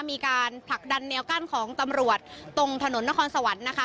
มีการผลักดันแนวกั้นของตำรวจตรงถนนนครสวรรค์นะคะ